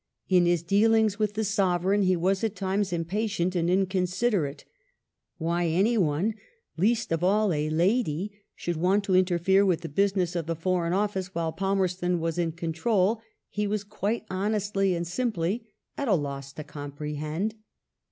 In his dealings with the Sovereign he was at times impatient and inconsiderate. Why any one — least of all a lady — should want to interfere with the business of the Foreign Office while Palmei ston was in control, he was — quite honestly and simply — at a loss to comprehend.